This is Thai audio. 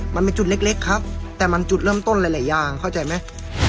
มันเป็นจุดเล็กครับแต่มันจุดเริ่มต้นหลายอย่างเข้าใจไหม